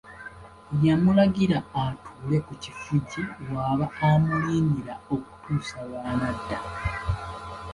Yamulagira atuule ku kifugi w’aba amulindira okutuusa lw’anadda.